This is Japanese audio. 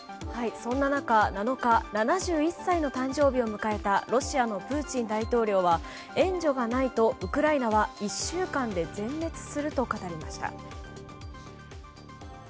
そんな中、７日７１歳の誕生日を迎えたロシアのプーチン大統領は援助がないとウクライナは１週間で全滅すると語りました。